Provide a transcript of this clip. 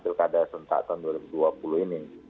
pekadaan tentatan dua ribu dua puluh ini